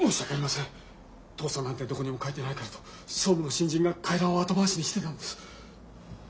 倒産なんてどこにも書いてないからと総務の新人が回覧を後回しにしてたんです。